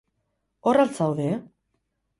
Hor al zaude?